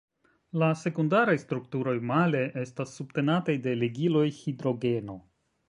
La sekundaraj strukturoj, male, estas subtenataj de ligiloj hidrogeno.